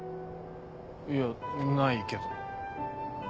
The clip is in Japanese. いやないけど。